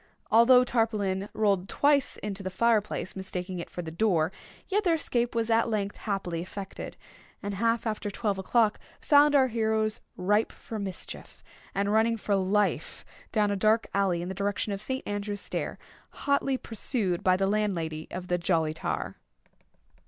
Although Tarpaulin rolled twice into the fire place, mistaking it for the door, yet their escape was at length happily effected—and half after twelve o'clock found our heroes ripe for mischief, and running for life down a dark alley in the direction of St. Andrew's Stair, hotly pursued by the landlady of the "Jolly Tar."